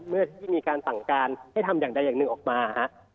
เมื่อที่มีการสั่งการให้ทำอย่างใดอย่างหนึ่งออกมาฮะ